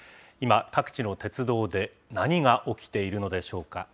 今、各地の鉄道で何が起きているのでしょうか。